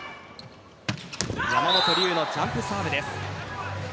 山本龍のジャンプサーブです。